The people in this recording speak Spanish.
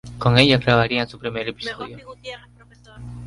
Con ella grabarían su primer Ep.